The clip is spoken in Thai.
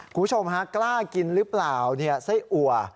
คุณผู้ชมฮะกล้ากินหรือเปล่าไส้อัว